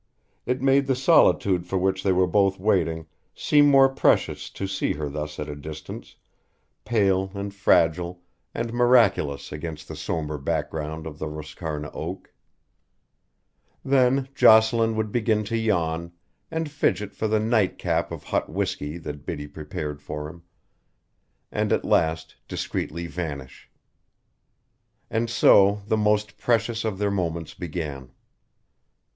It made the solitude for which they were both waiting seem more precious to see her thus at a distance, pale and fragile and miraculous against the sombre background of the Roscarna oak. Then Jocelyn would begin to yawn, and fidget for the nightcap of hot whiskey that Biddy prepared for him, and at last discreetly vanish. And so the most precious of their moments began.